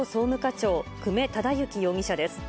長、久米忠之容疑者です。